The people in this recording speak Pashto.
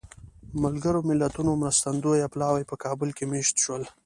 ملګرو ملتونو مرستندویه پلاوی په کابل کې مېشت شول.